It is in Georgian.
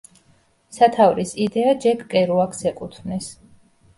სათაურის იდეა ჯეკ კერუაკს ეკუთვნის.